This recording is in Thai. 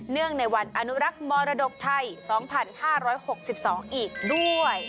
งในวันอนุรักษ์มรดกไทย๒๕๖๒อีกด้วย